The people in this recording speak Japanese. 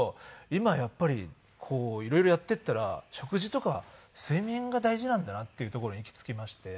今やっぱり色々やっていったら食事とか睡眠が大事なんだなっていうところに行き着きまして。